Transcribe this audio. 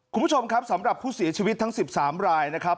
คุณผู้ชมครับสำหรับผู้เสียชีวิตทั้ง๑๓รายนะครับ